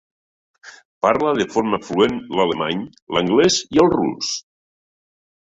Parla de forma fluent l'alemany, l'anglès i el rus.